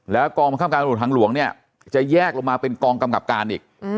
แล้วกองบังคับการตำรวจทางหลวงเนี่ยจะแยกลงมาเป็นกองกำกับการอีก